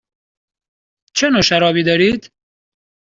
چه نوع شرابی دارید؟